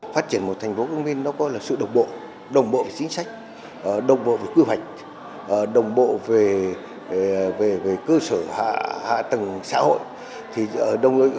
phát triển một thành phố công minh đó có sự đồng bộ đồng bộ về chính sách đồng bộ về cư hoạch đồng bộ về cư sở hạ tầng xã hội